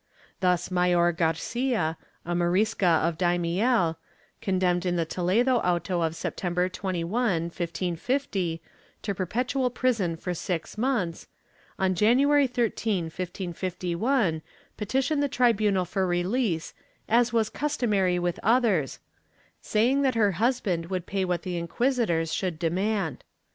Thus Mayor Garcia, a Morisca of Daimiel, condemned in the Toledo auto of September 21, 1550, to perpetual prison for six months, on January 13, 1551, petitioned the tribunal for release "as was customary with others," saying that her husband would pay what the inquisitors should demand.